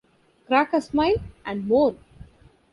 Crack a Smile... and More!